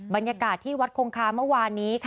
บรรยากาศที่วัดคงคาเมื่อวานนี้